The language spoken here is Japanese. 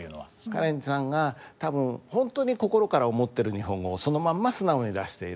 カレンさんが多分本当に心から思ってる日本語をそのまんま素直に出している。